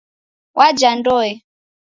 Waja Ndoe.